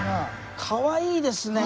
かわいいですね。